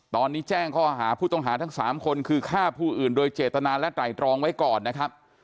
ตอนนี้แจ้งข้อหาผู้ต้องหาทั้ง๓คนคือฆ่าผู้อื่นโดยเจตนาและไตรตรองไว้ก่อนนะครับ